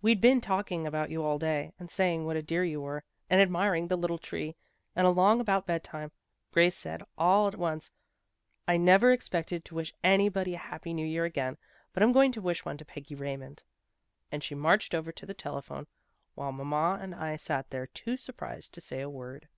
We'd been talking about you all day, and saying what a dear you were, and admiring the little tree, and along about bed time, Grace said all at A PATHETIC ST.ORY 253 once, ' I never expected to wish anybody a happy new year again, but I'm going to wish one to Peggy Raymond.' And she marched over to the telephone, while mamma and I sat there too surprised to say a word."